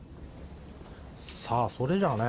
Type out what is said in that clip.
さあそれじゃね